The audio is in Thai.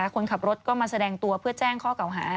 คนขับรถก็มาแสดงตัวเพื่อแจ้งข้อเก่าหา